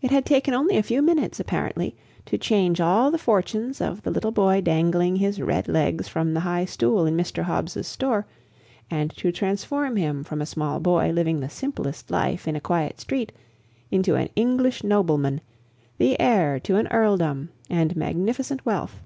It had taken only a few minutes, apparently, to change all the fortunes of the little boy dangling his red legs from the high stool in Mr. Hobbs's store, and to transform him from a small boy, living the simplest life in a quiet street, into an English nobleman, the heir to an earldom and magnificent wealth.